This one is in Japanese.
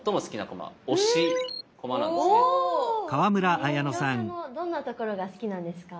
香車のどんなところが好きなんですか？